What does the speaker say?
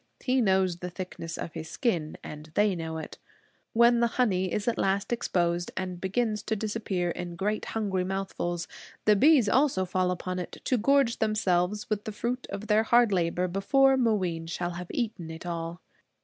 He knows the thickness of his skin, and they know it. When the honey is at last exposed, and begins to disappear in great hungry mouthfuls, the bees also fall upon it, to gorge themselves with the fruit of their hard labor before Mooween shall have eaten it all.